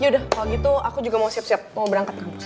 ya udah kalau gitu aku juga mau siap siap mau berangkat kamu